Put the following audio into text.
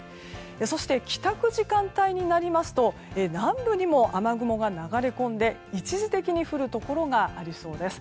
そして帰宅時間帯になると南部にも雨雲が流れ込んで一時的に降るところがありそうです。